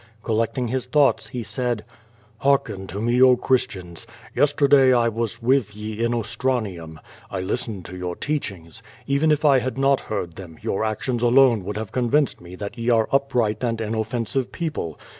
(Collecting his thoughts, he said: "Hearken to me, oh, Christians! Yesterday I was with ye in Ostranium. I listened to your teachings. Even if I had not heard them, your actions alone would have convinced me that ye are upright and inoffensive people.